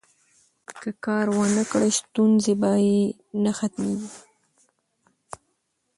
که کار ونکړي، ستونزې به یې نه ختمیږي.